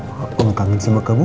aku mengkagumkan kamu